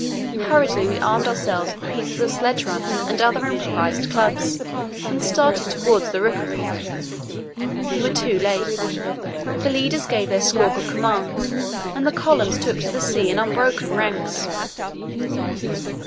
Hurriedly we armed ourselves with pieces of sledge runner and other improvised clubs, and started towards the rookery. We were too late. The leaders gave their squawk of command and the columns took to the sea in unbroken ranks.